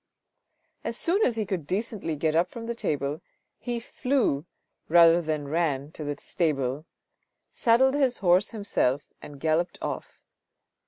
As soon as he could decently get up from the table, he flew rather than ran to the stable, saddled his horse himself, and galloped off.